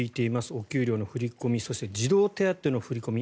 お給料の振り込み更に児童手当の振り込み